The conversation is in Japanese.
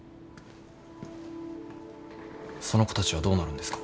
その子たちはどうなるんですか？